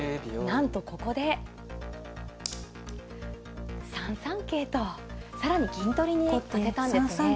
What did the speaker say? なんとここで３三桂と更に銀取りに当てたんですね。